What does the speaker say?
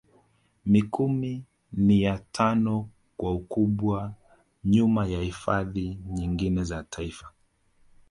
Mikumi ni ya tano kwa ukubwa nyuma ya hifadhi nyingine za Taifa